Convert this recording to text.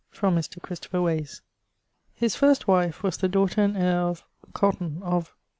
From Mr. Christopher Wase. His first wife was the daughter and heire of ... Cotton, of